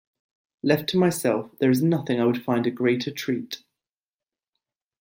Left to myself, there is nothing I would find a greater treat.